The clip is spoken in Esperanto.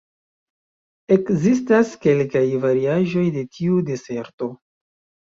Ekzistas kelkaj variaĵoj de tiu deserto.